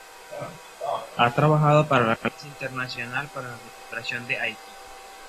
Ha trabajado para la Alianza Internacional para la recuperación de Haití.